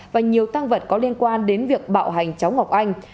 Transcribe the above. và nhiều tăng vật có liên quan đến việc bạo hành cháu ngọc anh